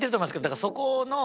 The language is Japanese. だからそこの。